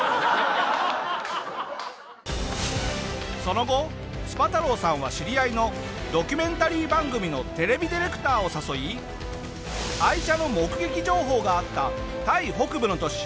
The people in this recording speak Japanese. その後スパ太郎さんは知り合いのドキュメンタリー番組のテレビディレクターを誘い愛車の目撃情報があったタイ北部の都市